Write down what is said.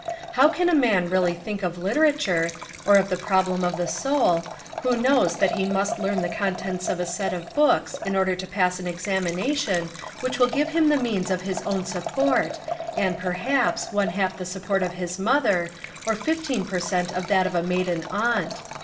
How can a man really think of literature, or of the problem of the soul, who knows that he must learn the contents of a set of books in order to pass an examination which will give him the means of his own support and, perhaps, one half the support of his mother, or fifteen per cent, of that of a maiden aunt.